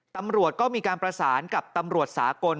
ตำรวจก็มีการประสานกับตำรวจสากล